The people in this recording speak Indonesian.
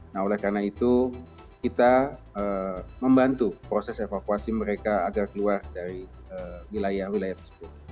nah oleh karena itu kita membantu proses evakuasi mereka agar keluar dari wilayah wilayah tersebut